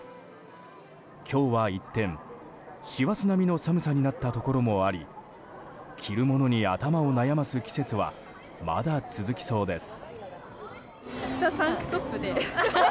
今日は一転、師走並みの寒さになったところもあり着るものに頭を悩ます季節はまだ続きそうです。